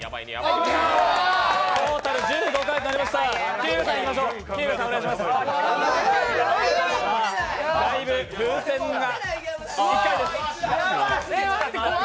トータル１５回となりました。